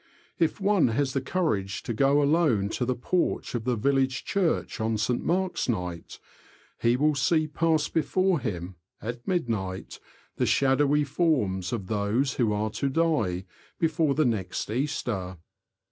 If one has the courage to go alone to the porch of the village church on St. Mark's night, he will see pass before him, at midnight, the shadowy forms of those who are to die before the next Easter.